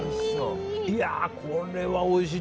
これはおいしい。